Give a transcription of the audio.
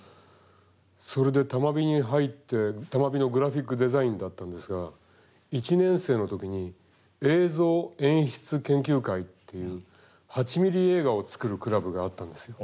それで多摩美に入って多摩美のグラフィックデザインだったんですが１年生の時に映像演出研究会っていう８ミリ映画を作るクラブがあったんですよ。